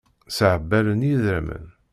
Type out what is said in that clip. Ssehbalen yidrimen.